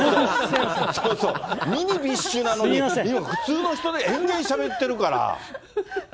そうそう、ミニビッシュやのに普通の人で延々しゃべってるから。